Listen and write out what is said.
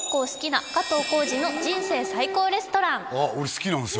俺好きなんすよ